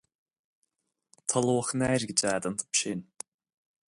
Tá luach an airgid agat iontu sin.